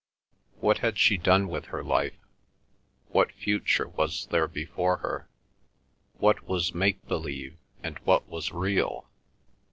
What had she done with her life? What future was there before her? What was make believe, and what was real?